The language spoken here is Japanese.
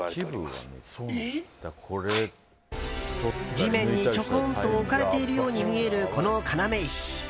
地面にちょこんと置かれているように見えるこの要石。